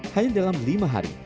hanya dalam lima hari